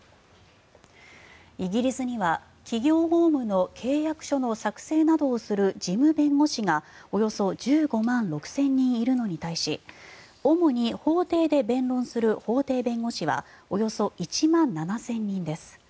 イギリスには企業法務の契約書の作成などをする事務弁護士がおよそ１５万６０００人いるのに対し主に法廷で弁論する法廷弁護士はおよそ１万７０００人です。